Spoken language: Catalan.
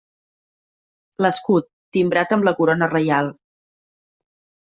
L'escut, timbrat amb la corona reial.